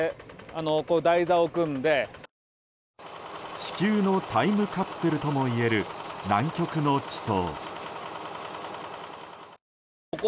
地球のタイムカプセルともいえる南極の地層。